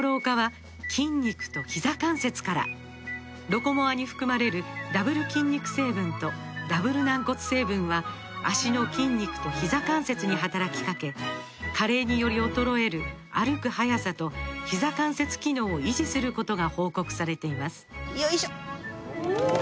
「ロコモア」に含まれるダブル筋肉成分とダブル軟骨成分は脚の筋肉とひざ関節に働きかけ加齢により衰える歩く速さとひざ関節機能を維持することが報告されていますよいしょっ！